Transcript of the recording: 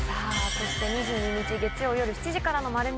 そして２２日月曜夜７時からの『まる見え！』